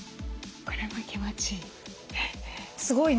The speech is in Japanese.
これも気持ちいい。